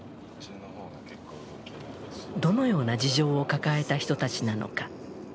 どのような事情を抱えた人たちなのか。